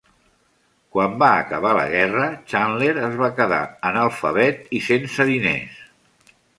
Quan va acabar la guerra, Chandler es va quedar analfabet i sense diners.